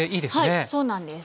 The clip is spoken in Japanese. はいそうなんです。